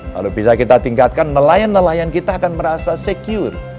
kalau bisa kita tingkatkan nelayan nelayan kita akan merasa secure